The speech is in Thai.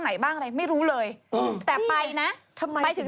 ทิ้งสิ๓๔วันนะ๕วันประมาณนั้น